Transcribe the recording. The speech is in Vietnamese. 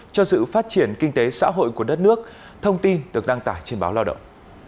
cho sự phát triển kinh tế xã hội của đất nước thông tin được đăng tải trên báo lao động